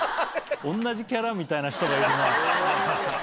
おんなじキャラみたいな人がいるな。